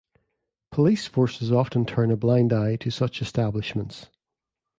Police forces often turn a blind eye to such establishments.